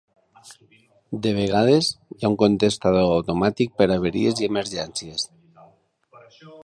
De vegades, hi ha un contestador automàtic per a avaries i emergències.